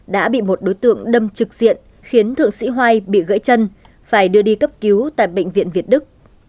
đã bị một đối tượng đâm trực diện khiến thượng sĩ hoai bị gãy chân phải đưa đi cấp cứu tại bệnh viện việt đức